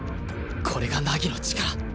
これが凪の力